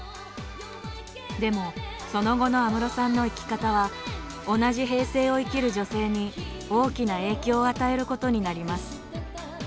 でもその後の安室さんの生き方は同じ平成を生きる女性に大きな影響を与えることになります。